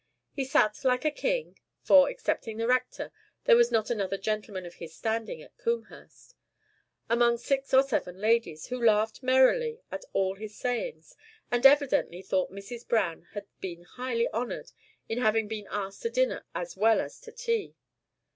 He sat like a king (for, excepting the rector, there was not another gentleman of his standing at Combehurst), among six or seven ladies, who laughed merrily at all his sayings, and evidently thought Mrs. Browne had been highly honored in having been asked to dinner as well as to tea.